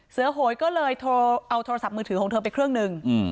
โหยก็เลยโทรเอาโทรศัพท์มือถือของเธอไปเครื่องหนึ่ง